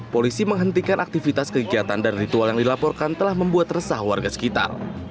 polisi menghentikan aktivitas kegiatan dan ritual yang dilaporkan telah membuat resah warga sekitar